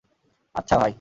আচ্ছা, ভাই।